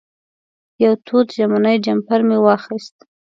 یو تود ژمنی جمپر مې واخېست.